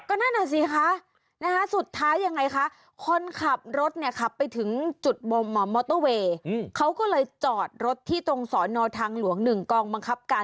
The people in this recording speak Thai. ก็นั่นน่ะสิคะสุดท้ายยังไงคะคนขับรถเนี่ยขับไปถึงจุดมอเตอร์เวย์เขาก็เลยจอดรถที่ตรงสอนอทางหลวง๑กองบังคับการ